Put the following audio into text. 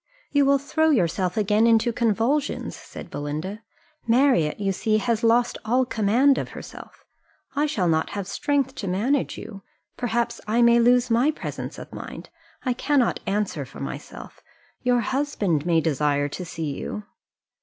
"You will throw yourself again into convulsions," said Belinda. "Marriott, you see, has lost all command of herself I shall not have strength to manage you perhaps I may lose my presence of mind I cannot answer for myself your husband may desire to see you."